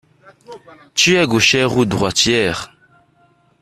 Tu es gauchère ou droitière?